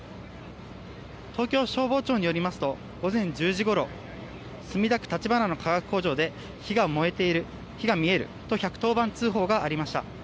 東京消防庁によりますと午前１０時ごろ墨田区立花の化学工場で火が燃えている、火が見えると１１０番通報がありました。